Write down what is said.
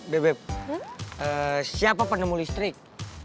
bebe siapa penemu listrik